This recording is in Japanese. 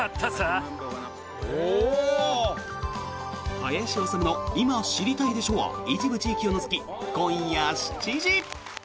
「林修の今、知りたいでしょ！」は一部地域を除き、今夜７時。